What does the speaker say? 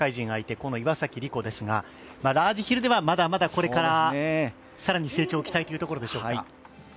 この岩崎里胡ですがラージヒルではまだまだこれから成長を期待というところでしょうか。